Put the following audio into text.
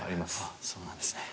そうなんですね。